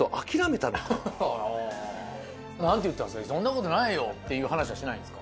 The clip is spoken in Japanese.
そんなことないよ！っていう話はしてないんですか？